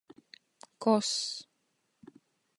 Koss.